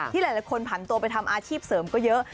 หลายคนผันตัวไปทำอาชีพเสริมก็เยอะ